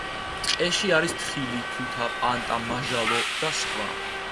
ტყეში არის თხილი, თუთა, პანტა, მაჟალო და სხვა.